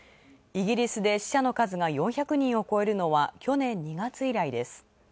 イギリスで死者の数が４００人を超えるのは去年２月以来です。